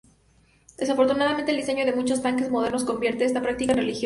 Desafortunadamente, el diseño de muchos tanques modernos convierte esta práctica en peligrosa.